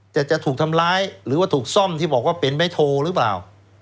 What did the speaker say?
แต่จะถูกทำร้ายหรือว่าถูกซ่อมที่บอกว่าเป็นไม้โทหรือเปล่า